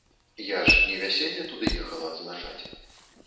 Я ж не вяселле туды ехала адзначаць.